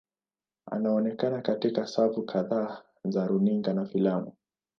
Ameonekana katika safu kadhaa za runinga na filamu.